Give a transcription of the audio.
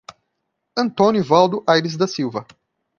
Antônio Valdo Aires da Silva